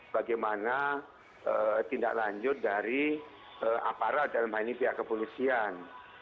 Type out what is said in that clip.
bagaimana tindak lanjut dari aparat dan manipia kepolisian